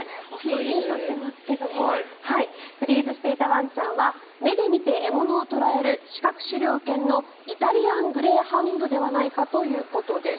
ピンとしてますがフリーズしていたワンちゃんは目で見て獲物を捕らえる視覚狩猟犬のイタリアングレーハウンドではないかということです。